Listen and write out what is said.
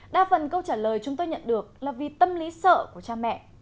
đa phần câu trả lời chúng tôi nhận được là vì tâm lý sợ của cha mẹ